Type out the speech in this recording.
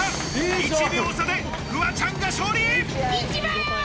１秒差でフワちゃんが勝利！